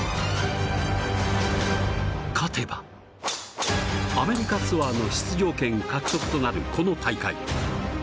勝てばアメリカツアーの出場権獲得となるこの大会。